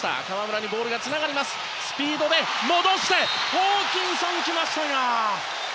ホーキンソンが来ましたが。